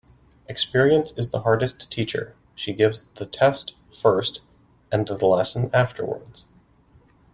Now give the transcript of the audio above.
Experience is the hardest teacher. She gives the test first and the lesson afterwards.